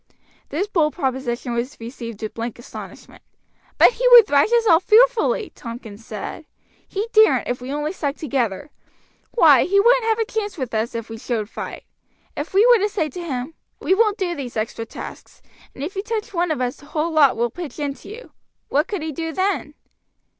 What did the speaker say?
This bold proposition was received with blank astonishment. "But he would thrash us all fearfully," Tompkins said. "He daren't if we only stuck together. Why, he wouldn't have a chance with us if we showed fight. If we were to say to him, 'We won't do these extra tasks; and if you touch one of us the whole lot will pitch into you,' what could he do then?"